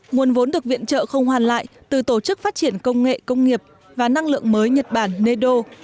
nguồn vốn được viện trợ không hoàn lại từ tổ chức phát triển công nghệ công nghiệp và năng lượng mới nhật bản nedo